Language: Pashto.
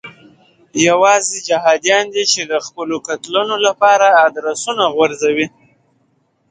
یوازې جهادیان دي چې د خپلو قتلونو لپاره ادرسونه غورځوي.